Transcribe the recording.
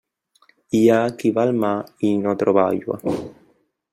Hi ha qui va al mar i no troba aigua.